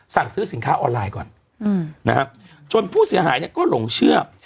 สั่งซื้อสินค้าออนไลน์ก่อนจนผู้เสียหายก็หลงเชื่อ